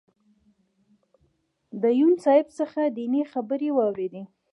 د یون صاحب څخه دینی خبرې واورېدې.